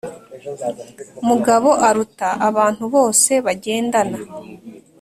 mugabo aruta abantu bose bagendana